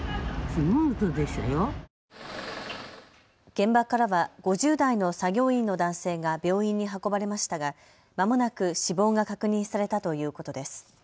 現場からは５０代の作業員の男性が病院に運ばれましたがまもなく死亡が確認されたということです。